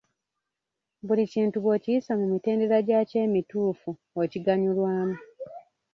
Buli kintu bw’okiyisa mu mitendera gyakyo emituufu okigannyulwamu.